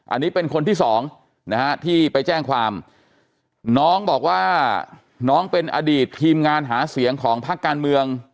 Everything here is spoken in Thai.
อันนี้เป็นคนที่สองนะฮะที่ไปแจ้งความน้องบอกว่าน้องเป็นอดีตทีมงานหาเสียงของพักการเมือง